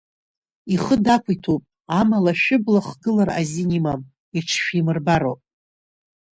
Ихы дақәиҭуп, амала шәыбла ахгылара азин имам, иҽшәимырбароуп.